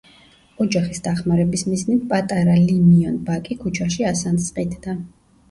ოჯახის დახმარების მიზნით პატარა ლი მიონ ბაკი ქუჩაში ასანთს ყიდდა.